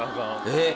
えっ？